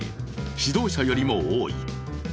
指導者よりも多い。